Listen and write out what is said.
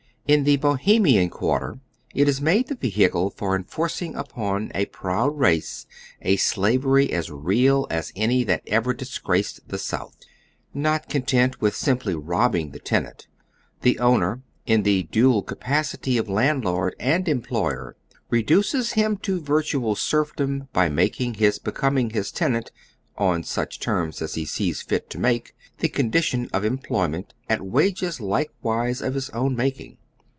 In the Bohemian quarter it is made the vehicle for enforcing upon a proud I'ace a slavery as real as any that ever dis graced the Soutli. ]!sot content with simply robbing the tenant, the owner, in the dual capacity of landlord and employer, reduces liim to virtual serfdom by making his becoming his tenant, on such terms as he sees fit to make, the condition of employment at wages likewise of his own making.